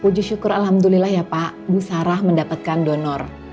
puji syukur alhamdulillah ya pak bu sarah mendapatkan donor